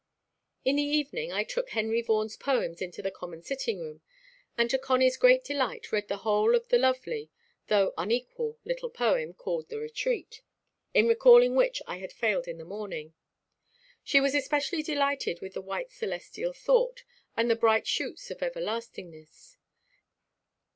In the evening I took Henry Vaughan's poems into the common sitting room, and to Connie's great delight read the whole of the lovely, though unequal little poem, called "The Retreat," in recalling which I had failed in the morning. She was especially delighted with the "white celestial thought," and the "bright shoots of everlastingness."